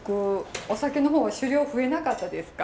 お酒の方は酒量増えなかったですか？